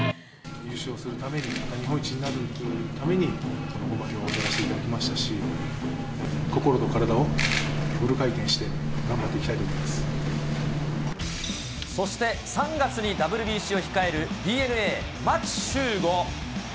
優勝するために、日本一になるために、護摩行をやらせていただきましたし、心と体をフル回転してそして、３月にＷＢＣを控えるＤｅＮＡ、牧秀悟。